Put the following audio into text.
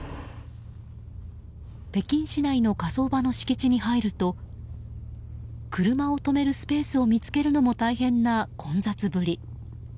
北京市内の火葬場の敷地に入ると車を止めるスペースを見つけるのも大変な混雑ぶり。